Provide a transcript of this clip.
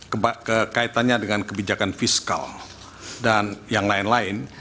kekaitannya dengan kebijakan fiskal dan yang lain lain